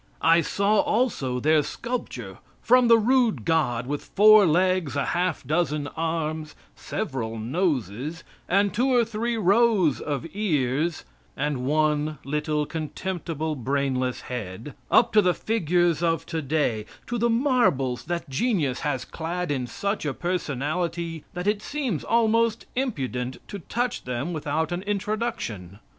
I saw also their sculpture, from the rude god with four legs, a half dozen arms, several noses, and two or three rows of ears, and one little, contemptible, brainless head, up to the figures of today, to the marbles that genius has clad in such a personality that it seems almost impudent to touch them without an introduction.